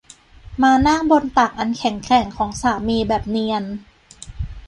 มานั่งบนตักอันแข็งแกร่งของสามีแบบเนียน